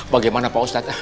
bagaimana pak ustad